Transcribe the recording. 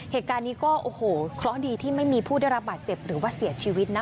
เหตุการณ์นี้ก็โอ้โหเคราะห์ดีที่ไม่มีผู้ได้รับบาดเจ็บหรือว่าเสียชีวิตนะคะ